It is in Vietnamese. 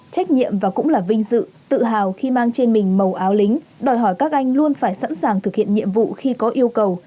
trách nhiệm và cũng là vinh dự tự hào khi mang trên mình màu áo lính đòi hỏi các anh luôn phải sẵn sàng thực hiện nhiệm vụ khi có yêu cầu